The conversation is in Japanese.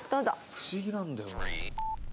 不思議なんだよな。